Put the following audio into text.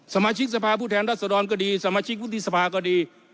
สมาชิกสภาพผู้แทนรัศดรก็ดีสมาชิกวุฒิสภาก็ดี